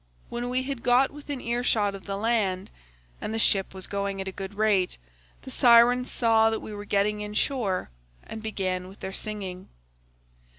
When we had got within earshot of the land, and the ship was going at a good rate, the Sirens saw that we were getting in shore and began with their singing.